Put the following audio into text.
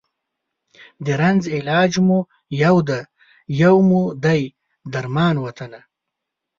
د رنځ علاج مو یو دی، یو مو دی درمان وطنه